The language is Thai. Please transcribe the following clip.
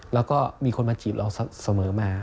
แล้วก็มีคนมาจีบเราเสมอมา